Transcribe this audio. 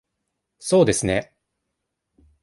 そうですね。